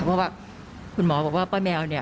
เพราะว่าคุณหมอบอกว่าป้าแมวเนี่ย